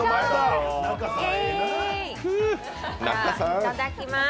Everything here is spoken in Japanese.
いただきます。